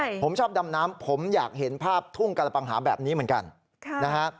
ใช่ผมชอบดำน้ำผมอยากเห็นภาพทุ่งกระปังหาแบบนี้เหมือนกันค่ะนะฮะ